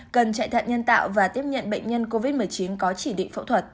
cần trại thạm nhân tạo và tiếp nhận bệnh nhân covid một mươi chín có chỉ định phẫu thuật